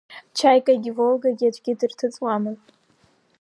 Чаикагьы, Волгагьы аӡәгьы дырҭыҵуамызт.